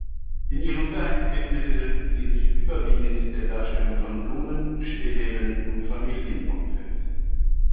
In ihrem Werk widmete sie sich überwiegend der Darstellung von Blumen, Stillleben und Familienporträts.